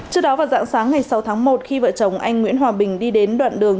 trước đó vào dạng sáng ngày sáu tháng một khi vợ chồng anh nguyễn hòa bình đi đến đoạn đường